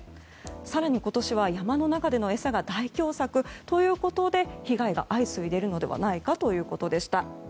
更に今年は山の中での餌が大凶作ということで被害が相次いでいるのではないかということでした。